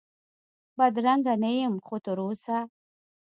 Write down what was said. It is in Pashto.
بدرنګه نه یم خو تراوسه،